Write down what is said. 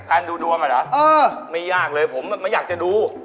ดูดวงอ่ะเหรอไม่ยากเลยผมไม่อยากจะดู